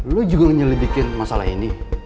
lo juga ngejelidikin masalah ini